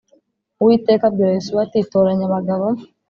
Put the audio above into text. Uwiteka abwira yosuwa ati toranya abagabo